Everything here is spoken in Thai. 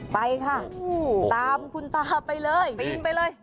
ไปค่ะตามคุณตาไปเลยปีนไปเลย